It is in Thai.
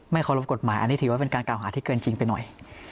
เคารพกฎหมายอันนี้ถือว่าเป็นการกล่าวหาที่เกินจริงไปหน่อย